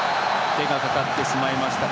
手がかかってしまいました。